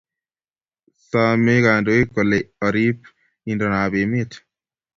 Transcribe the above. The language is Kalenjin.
Same kandoik kolee orib indonab emet